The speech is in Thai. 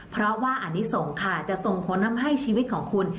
เพราะว่าอนิสงฆ์ค่ะจะส่งผลทำให้ชีวิตของคุณ